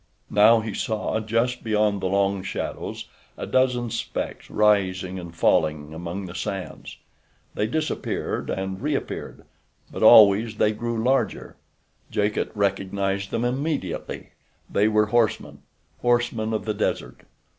Now he saw, just beyond the long shadows, a dozen specks rising and falling among the sands. They disappeared and reappeared, but always they grew larger. Jacot recognized them immediately. They were horsemen—horsemen of the desert.